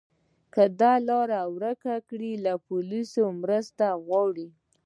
که د لاره ورکه کړه، له پولیسو مرسته وغواړه.